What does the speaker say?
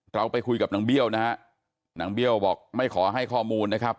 เราไปคุยกับนางเบี้ยวนะฮะนางเบี้ยวบอกไม่ขอให้ข้อมูลนะครับ